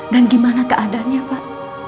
dan gimana keadaannya pak